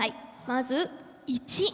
まず１。